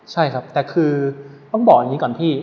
ใช่ครับแต่คือต้องบอกอย่างนี้ก่อนพี่